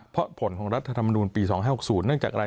เพราะผลของรัฐธรรมนูลปี๒๕๖๐เนื่องจากอะไร